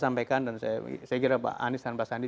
sampaikan dan saya kira pak anies dan pak sandi